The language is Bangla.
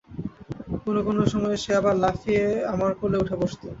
কোনো কোনো সময়ে সে আবার লাফিয়ে আমার কোলে উঠে বসত।